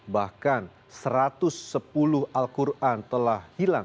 bahkan satu ratus sepuluh al quran telah hilang